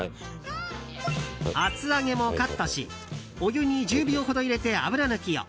厚揚げもカットしお湯に１０秒ほど入れて油抜きを。